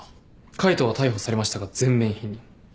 海藤は逮捕されましたが全面否認。